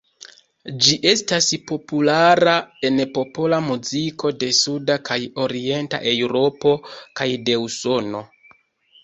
Ĝi estas populara en popola muziko de suda kaj orienta Eŭropo kaj de Usono.